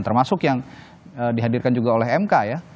termasuk yang dihadirkan juga oleh mk ya